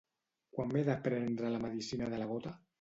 Quan m'he de prendre la medicina de la gota?